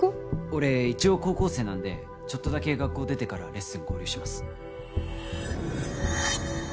俺一応高校生なんでちょっとだけ学校出てからレッスン合流します